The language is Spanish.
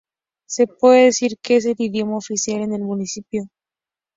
Se puede decir que es el idioma oficial en el municipio.